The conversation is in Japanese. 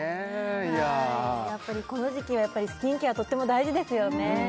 いやあやっぱりこの時季はスキンケアとっても大事ですよね